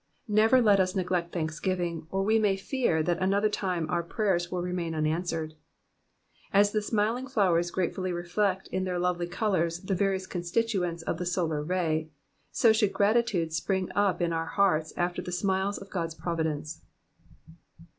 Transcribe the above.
Never let us neglect thanksgiving, or we may fear that another time our prayers will remain unanswered. As the smiling flowers gratefully reflect in their lovely colours the various constituents of the solar ray, so should gratitude spring up in our hearts after the smiles of God's providence.